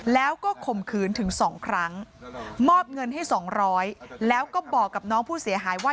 แล้วก็ข่มขืนถึง๒ครั้งมอบเงินให้๒๐๐แล้วก็บอกกับน้องผู้เสียหายว่า